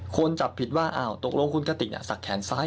คนจับผิดว่าอ้าวตกลงคุณกติกสักแขนซ้าย